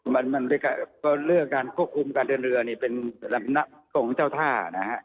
แล้วก็เรียกอันควบคุมการเดินเรือเป็นระมณะกรงเจ้าท่า